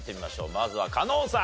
まずは加納さん。